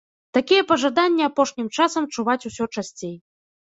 Такія пажаданні апошнім часам чуваць усё часцей.